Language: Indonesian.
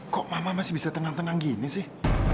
kok mama masih bisa tenang tenang gini sih